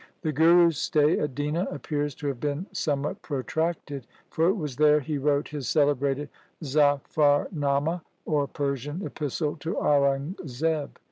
The Guru's stay at Dina appears to have been somewhat protracted, for it was there he wrote his celebrated Zafarnama', or Persian epistle to Aurangzeb.